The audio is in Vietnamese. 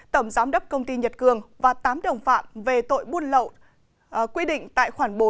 tổng giám đốc công ty nhật cương và tám đồng phạm về tội buồn lậu quy định tài khoản bốn